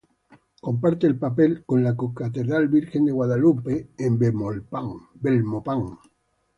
Comparte el papel con la Co-catedral Virgen de Guadalupe en Belmopán.